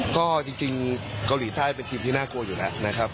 ก็จริงเกาหลีใต้เป็นทีมที่น่ากลัวอยู่แล้วนะครับ